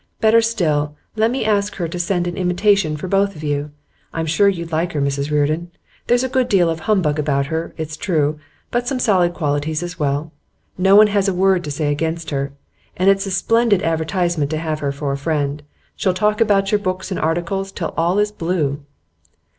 Better still, let me ask her to send an invitation for both of you. I'm sure you'd like her, Mrs Reardon. There's a good deal of humbug about her, it's true, but some solid qualities as well. No one has a word to say against her. And it's a splendid advertisement to have her for a friend. She'll talk about your books and articles till all is blue.